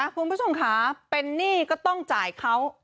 คุณผู้ชมค่ะเป็นหนี้ก็ต้องจ่ายเขา